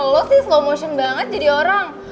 lo sih slow motion banget jadi orang